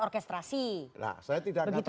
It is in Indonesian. orkestrasi nah saya tidak mengatakan